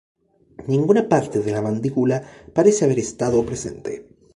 Ninguna parte de la mandíbula parece haber estado presente.